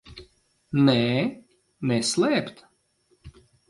Nē? Neslēpt?